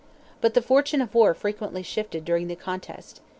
But the fortune of war frequently shifted during the contest.